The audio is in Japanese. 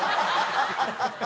ハハハハ！